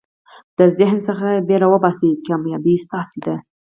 د ذهن څخه بېره وباسئ، کامیابي ستاسي ده.